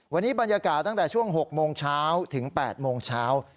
วันนี้บรรยากาศตั้งแต่ช่วง๖โมงเช้าถึง๘โมงเช้า